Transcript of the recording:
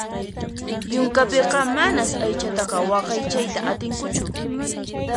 Yunkapiqa manas aychataqa waqaychayta atinkuchu.